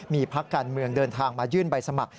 มีพักการเมืองเดินทางมายื่นใบสมัคร